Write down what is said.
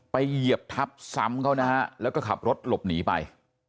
เหยียบทับซ้ำเขานะฮะแล้วก็ขับรถหลบหนีไป